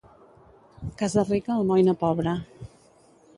Casa rica, almoina pobra.